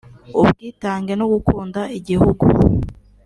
ubwitange no gukunda Igihugu